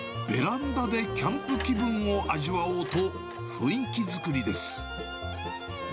ベランダでキャンプ気分を味わおうと、雰囲気作りです。